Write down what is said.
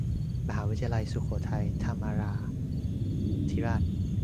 มหาวิทยาลัยสุโขทัยธรรมาธิราช